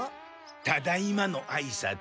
「ただいま」のあいさつ。